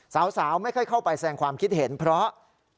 สาวไม่ค่อยเข้าไปแสดงความคิดเห็นเพราะ